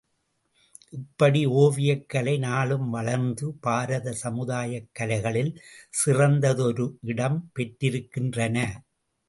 இப்படி ஓவியக் கலை நாளும் வளர்ந்து பாரத சமுதாயக் கலைகளில் சிறந்ததொரு இடம் பெற்றிருக்கின்றன.